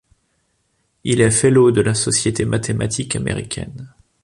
Il est Fellow de la Société mathématique américaine.